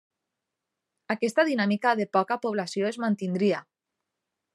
Aquesta dinàmica de poca població es mantindria.